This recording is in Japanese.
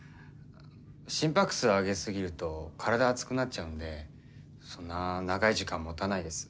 心拍数上げすぎると体熱くなっちゃうんでそんな長い時間もたないです。